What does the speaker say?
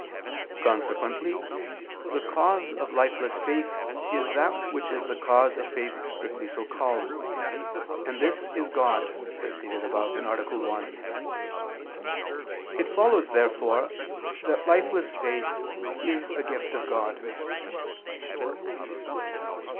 Consequently the cause of lifeless faith is that which is the cause of faith strictly so called: and this is God, as stated above (A. 1). It follows, therefore, that lifeless faith is a gift of God.